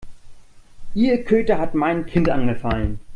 Ihr Köter hat mein Kind angefallen.